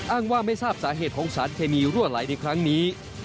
อ้างว่าไม่ทราบสาเหตุของสารเคมีรั่วไหลในครั้งนี้